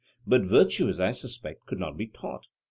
But virtue, as I suspect, could not be taught.